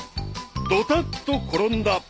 ［ドタッと転んだ］